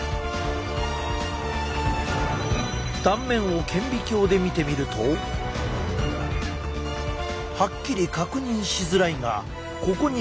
断面を顕微鏡で見てみるとはっきり確認しづらいがここに形成層がある。